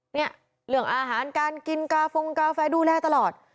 เนี่ยเรื่องอาหารการกินกาฟงกาแฟดูแลตลอด